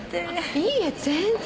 いいえ全然！